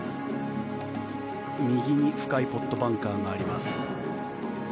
右に深いポットバンカーがあります。